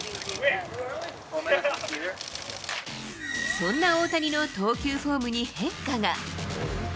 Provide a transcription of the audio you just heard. そんな大谷の投球フォームに変化が。